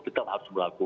tetap harus berlaku